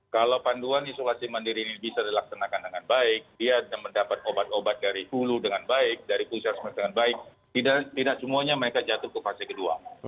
kalau panduan isolasi mandiri ini bisa dilaksanakan dengan baik dia mendapat obat obat dari hulu dengan baik dari pusat semesta dengan baik tidak semuanya mereka jatuh ke fase kedua